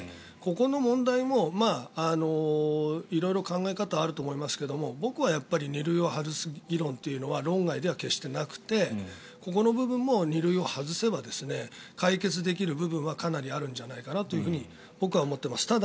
ここの問題も色々考え方はあると思いますけど僕はやっぱり２類を外す議論というのは論外では決してなくてここの部分も２類を外せば解決できる部分はかなりあるんじゃないかなと僕は思っています。